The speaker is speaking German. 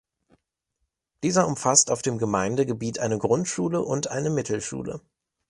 Dieser umfasst auf dem Gemeindegebiet eine Grundschule und eine Mittelschule.